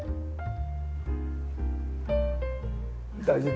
大丈夫？